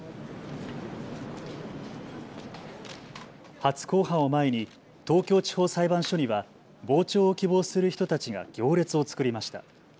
初公判を前に東京地方裁判所には傍聴を希望する人たちが行列を作りました。